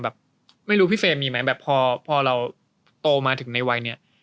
แบบไม่รู้พี่เฟย์มีไหมแบบพอเราโตมาถึงในวัยนี้